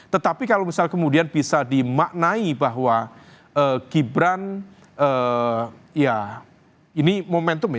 tetapi kalau misal kemudian bisa dimaknai bahwa gibran ya ini momentum ya